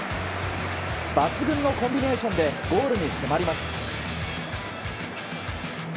抜群のコンビネーションでゴールに迫ります。